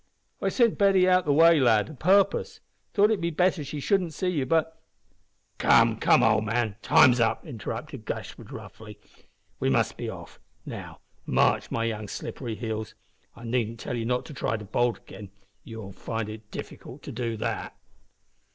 I sent Betty out o' the way, lad, a purpose. Thought it better she shouldn't see you, but " "Come, come, old man, time's up," interrupted Gashford, roughly; "we must be off. Now, march, my young slippery heels. I needn't tell you not to try to bolt again. You'll find it difficult to do that."